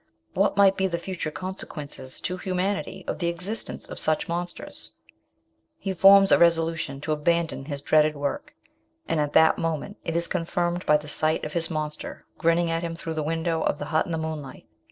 What might be the future consequences to humanity of the existence of such monsters ? He forms a resolution to abandon his dreaded work, and at that moment it is confirmed by the ^ght of his monster grinning at him through the window of the hut in the moonlight.